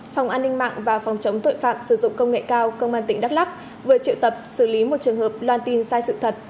phòng an ninh mạng và phòng chống tội phạm sử dụng công nghệ cao công an tỉnh đắk lắc vừa triệu tập xử lý một trường hợp loan tin sai sự thật